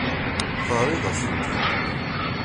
Terriḍ-asen-t-id.